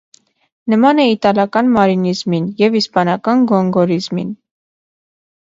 Նման է իտալական մարինիզմին և իսպանական գոնգորիզմին։